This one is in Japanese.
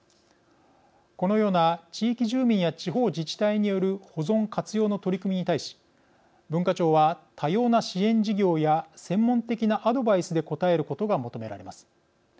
このような地域住民や地方自治体による保存活用の取り組みに対し文化庁は多様な支援事業や専門的なアドバイスで応えることが求められます。